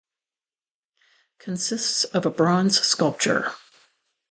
Consists of a bronze sculpture.